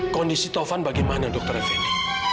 kondisi tovan bagaimana dr feni